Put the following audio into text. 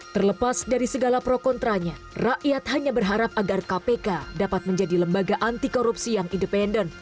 terlepas dari segala pro kontranya rakyat hanya berharap agar kpk dapat menjadi lembaga anti korupsi yang independen